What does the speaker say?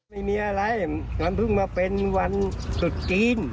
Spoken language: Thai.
ไม่มีอะไรงั้นเพิ่งมาเป็นวันตรุษจีน